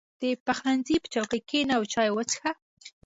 • د پخلنځي په چوکۍ کښېنه او چای وڅښه.